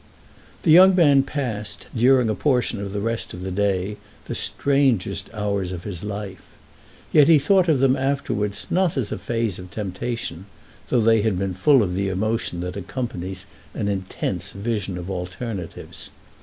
The young man passed, during a portion of the rest of the day, the strangest hours of his life. Yet he thought of them afterwards not as a phase of temptation, though they had been full of the emotion that accompanies an intense vision of alternatives.